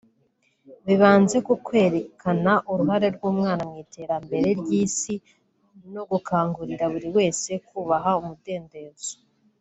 Bibanze ku kwerekana uruhare rw’umwana mu iterambere ry’Isi no gukangurira buri wese kubaha umudendezo